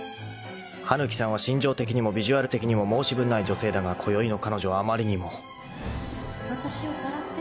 ［羽貫さんは心情的にもビジュアル的にも申し分ない女性だがこよいの彼女はあまりにも］わたしをさらって。